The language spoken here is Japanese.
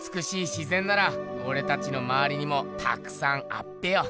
自ぜんならおれたちのまわりにもたくさんあっぺよ。